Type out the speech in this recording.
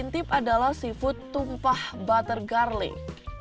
intim adalah seafood tumpah butter garlic